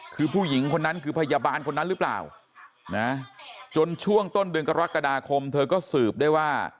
คือผู้หญิงคนนั้นคือพยาบาลคนนั้นหรือเปล่านะจนช่วงต้นเดือนกรกฎาคมเธอก็สืบได้ว่า